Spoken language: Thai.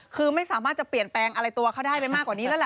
คือไม่สามารถจะเปลี่ยนแปลงอะไรตัวเขาได้ไปมากกว่านี้แล้วล่ะ